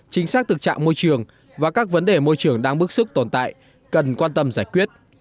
chính xác thực trạng môi trường và các vấn đề môi trường đang bức xúc tồn tại cần quan tâm giải quyết